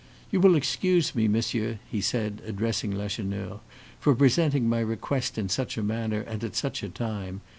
"You will excuse me, Monsieur," he said, addressing Lacheneur, "for presenting my request in such a manner, and at such a time.